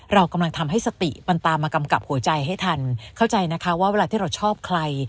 เรากำลังทำให้สติมันตามมากำกับหัวใจให้ทันเข้าใจนะคะว่าเวลาที่เราชอบใคร